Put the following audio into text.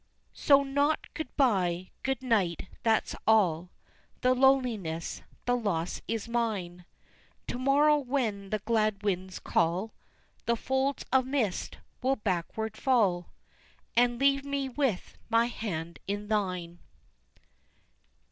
So not good bye, good night that's all, The loneliness, the loss is mine, To morrow when the glad winds call, The folds of mist will backward fall, And leave me with my hand in thine.